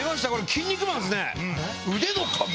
『キン肉マン』っすね！